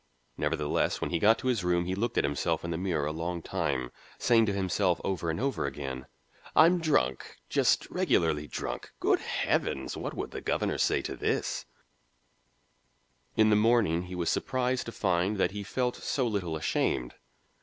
Nevertheless when he got to his room he looked at himself in the mirror a long time, saying to himself over and over again, "I'm drunk just regularly drunk. Good Heavens! what would the governor say to this?" In the morning he was surprised to find that he felt so little ashamed.